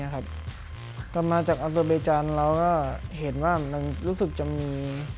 เรามาจากอำเภอเบจันทร์เราก็เห็นว่ามันรู้สึกจะมี